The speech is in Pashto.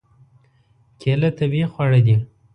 کېله طبیعي خواړه ده.